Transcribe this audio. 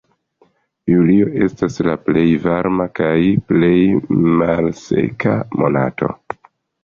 Julio estas la plej varma kaj plej malseka monato.